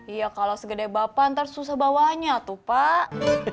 iya kalau segede bapak ntar susah bawanya tuh pak